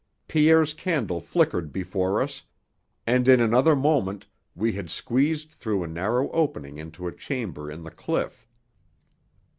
Pierre's candle flickered before us, and in another moment we had squeezed through a narrow opening into a chamber in the cliff.